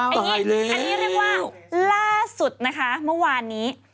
อันนี้อันนี้เรียกว่าล่าสุดนะคะเมื่อวานนี้